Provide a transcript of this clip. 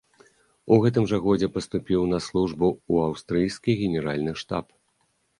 У гэтым жа годзе паступіў на службу ў аўстрыйскі генеральны штаб.